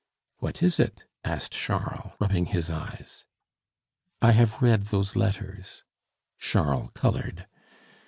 "What is it?" asked Charles, rubbing his eyes. "I have read those letters." Charles colored.